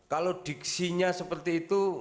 kalau diksinya seperti itu